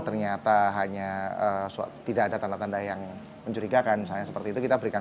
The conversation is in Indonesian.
tanda tanda yang tidak ada tanda tanda yang mencurigakan saya seperti itu kita berikan